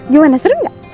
gimana seru gak